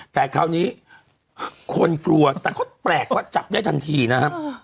แต่คราวนี้คนกลัวแต่ก็แปลกว่าจับได้ทันทีนะครับ